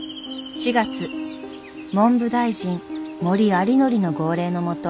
４月文部大臣森有礼の号令のもと